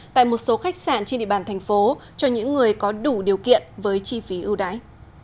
tại một số khách sạn trên địa bàn thành phố cho những người có đủ điều kiện với chi phí ưu đãi